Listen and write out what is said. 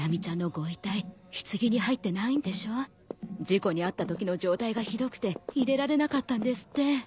事故に遭ったときの状態がひどくて入れられなかったんですって。